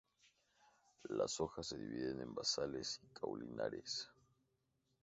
Las hojas se dividen en basales y caulinares.